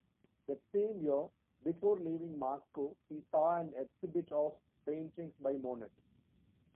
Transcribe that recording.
That same year, before leaving Moscow, he saw an exhibit of paintings by Monet.